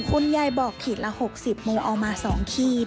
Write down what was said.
คุณยายบอกถิ่นละหกสิบโมเอามาสองขีด